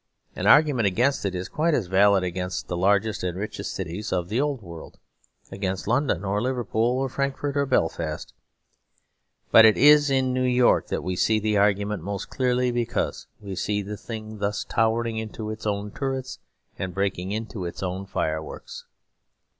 Any argument against it is quite as valid against the largest and richest cities of the Old World, against London or Liverpool or Frankfort or Belfast. But it is in New York that we see the argument most clearly, because we see the thing thus towering into its own turrets and breaking into its own fireworks.